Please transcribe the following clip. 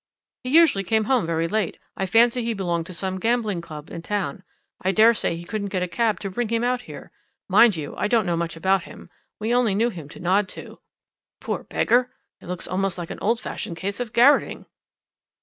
"'He usually came home very late. I fancy he belonged to some gambling club in town. I dare say he couldn't get a cab to bring him out here. Mind you, I don't know much about him. We only knew him to nod to.' "'Poor beggar! it looks almost like an old fashioned case of garroting.'